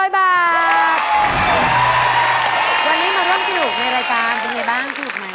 วันนี้มาเริ่มกลุ่มในรายปาร์มเป็นไงบ้างสรุปไหม